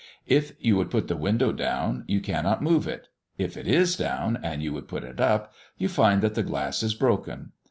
If you would put the window down, you cannot move it; if it is down, and you would put it up, you find that the glass is broken.